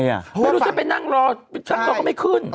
ไม่รู้สึกว่าไปนั่งรอนั่งรอก็ไม่ขึ้น